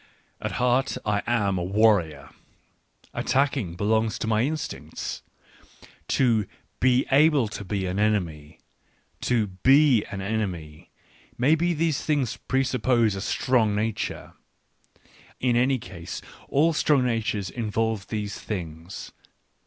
At heart I am a warrior. Attacking belongs to my instincts. To be able to be an enemy, to be an enemy — maybe these things presuppose a strong nature ; in any case all strong natures involve these things.